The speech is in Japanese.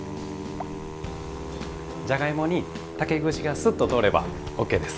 じゃがいもに竹串がスッと通ればＯＫです。